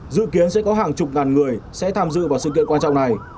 dự kiến sẽ có hàng chục ngàn người sẽ tham dự vào sự kiện quan trọng này